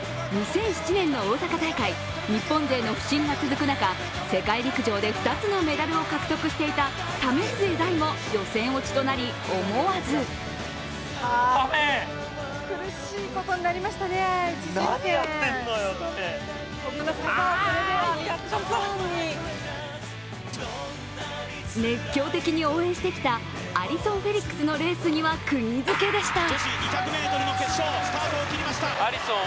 ２００７年の大阪大会、日本勢の不振が続く中、世界陸上で２つのメダルを獲得していた為末大も予選落ちとなり、思わず熱狂的に応援してきたアリソン・フェリックスのレースにはクギづけでした。